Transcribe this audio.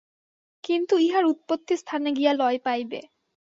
চিন্তা ইহার উৎপত্তি-স্থানে গিয়া লয় পাইবে।